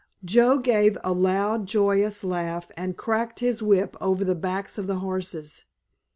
Joe gave a loud, joyous laugh and cracked his whip over the backs of the horses.